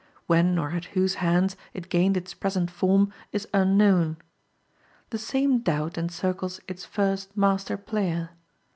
When or at whose hands it gained its present form is unknown. The same doubt encircles its first master player.